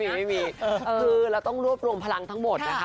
ไม่มีคือเราต้องรวบรวมพลังทั้งหมดนะคะ